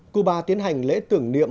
cuba tiến hành lễ tưởng niệm